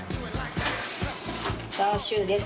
チャーシューです。